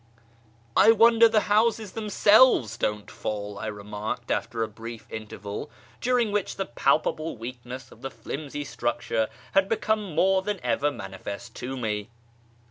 " I wonder the houses themselves don't fall," I remarked after a brief interval, during which the palpable weakness of the flimsy structure had become more than ever manifest to me.